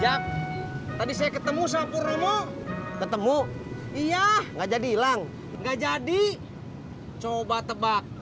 ya tadi saya ketemu sama purnomo ketemu iya nggak jadi hilang enggak jadi coba tebak